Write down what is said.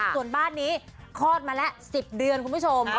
ส่วนบ้านนี้คลอดมาแล้ว๑๐เดือนคุณผู้ชม